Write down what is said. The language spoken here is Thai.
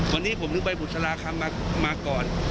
วันนี้ผมถึงไปบุษราคำมาก่อน